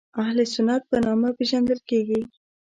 اهل سنت په نامه پېژندل کېږي.